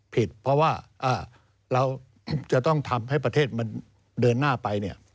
ผิดเพราะว่าเราจะต้องทำให้ประเทศมันเดินหน้าไปเนี่ย